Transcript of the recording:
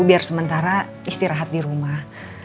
biar sementara istirahat di rumah